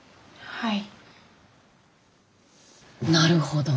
はい。